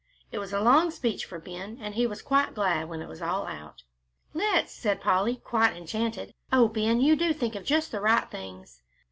It was a long speech for Ben, and he was quite glad when it was all out. "Let's," said Polly, quite enchanted. "Oh, Ben, you do think of just the right things."